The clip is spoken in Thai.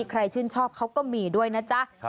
ใครชื่นชอบเขาก็มีด้วยนะจ๊ะ